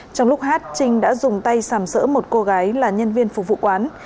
trong lúc hát trinh đã dùng tay sàm sỡ một cô gái là nhân viên phục vụ quán